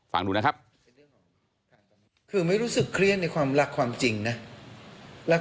ฟังดูนะครับ